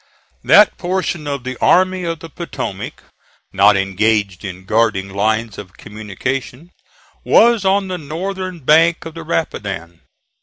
That portion of the Army of the Potomac not engaged in guarding lines of communication was on the northern bank of the Rapidan.